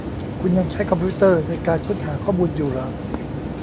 คุณยังใช้คอมพิวเตอร์ในการค้นหาข้อมูลอยู่หรอ